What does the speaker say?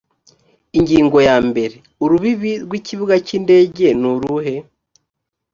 ingingo yambere urubibi rw ikibuga cy indege nuruhe